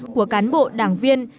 của cán bộ đảng viên